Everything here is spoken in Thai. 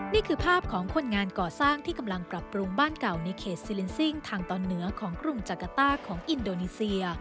นี่คือภาพของคนงานก่อสร้างที่กำลังปรับปรุงบ้านเก่าในเขตซิลินซิ่งทางตอนเหนือของกรุงจักรต้าของอินโดนีเซีย